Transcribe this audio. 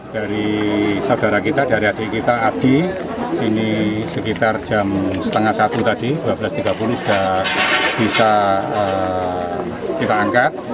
dari saudara kita dari adik kita abdi ini sekitar jam setengah satu tadi dua belas tiga puluh sudah bisa kita angkat